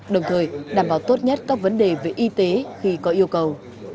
đồng thời đảm bảo tốt nhất các vấn đề về y tế khi có yêu cầu